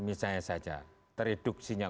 misalnya saja reduksinya